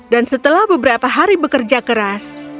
dan setelah beberapa hari bekerja keras